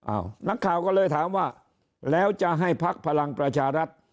นักข่าวก็เลยถามว่าแล้วจะให้พักพลังประชารัฐ